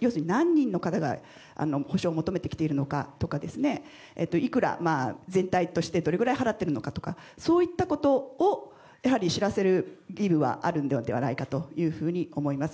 要するに何人の方が補償を求めてきているのかとかいくら全体としてどれぐらい払っているのかとかそういったことを知らせる義務はあるのではないかと思います。